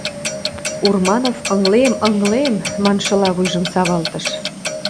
Урманов «ыҥлем, ыҥлем!» маншыла вуйжым савалтыш.